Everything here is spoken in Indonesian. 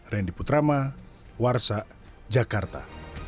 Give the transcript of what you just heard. randy putrama warsa jakarta